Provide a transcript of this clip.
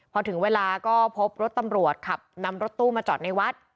พอถึงเวลาก็พบรถตำรวจขับนำรถตู้มาจอดในวัด